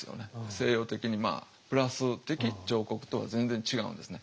西洋的にプラス的彫刻とは全然違うんですね。